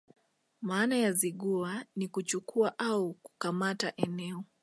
Maana ya Zigua ni kuchukua au kukamata eneo